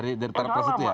boleh boleh mas indra